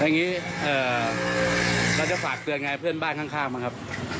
อย่างนี้เราจะฝากเตือนไงเพื่อนบ้านข้างบ้างครับ